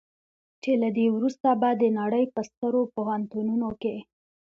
چې له دې وروسته به د نړۍ په سترو پوهنتونونو کې.